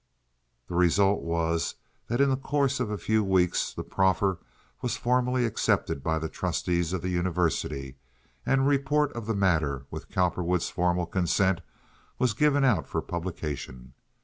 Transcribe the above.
The result was that in the course of a few weeks the proffer was formally accepted by the trustees of the University, and a report of the matter, with Cowperwood's formal consent, was given out for publication.